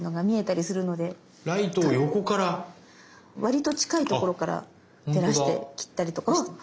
割と近いところから照らして切ったりとかはしてます。